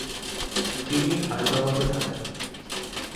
তিনি হায়দ্রাবাদে থাকেন।